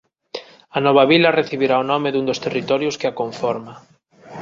A nova vila recibirá o nome dun dos territorios que a conforma.